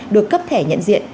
được cấp thẻ nhận diện